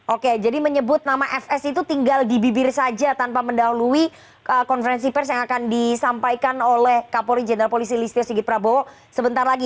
oke jadi menyebut nama fs itu tinggal di bibir saja tanpa mendahului konferensi pers yang akan disampaikan oleh kapolri jenderal polisi listio sigit prabowo sebentar lagi